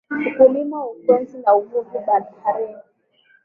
Ukulima na ukwezi, na uvuvi baharini